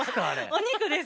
お肉です！